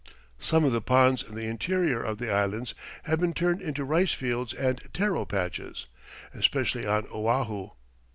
Some of the ponds in the interior of the Islands have been turned into rice fields and taro patches, especially on Oahu.